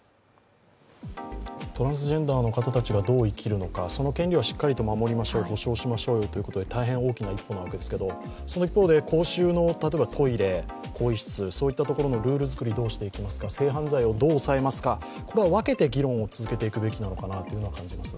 トランスジェンダーの方たちがどう生きるのか、その権利はしっかり守りましょう、保障しましょうよということで大変大きな一歩なんですけど公衆のトイレ、更衣室そういったところのルール作り、性犯罪をどう抑えますか、これは分けて議論を続けていくべきなのかなと感じます。